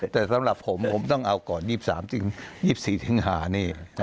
แต่สำหรับผมผมต้องเอาก่อน๒๓๒๔สิงหานี่